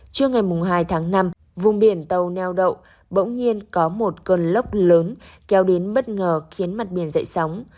trưa ngày hai tháng năm vùng biển tàu neo đậu bỗng nhiên có một cơn lốc lớn kéo đến bất ngờ khiến mặt biển dậy sóng